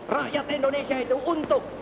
rakyat indonesia itu untuk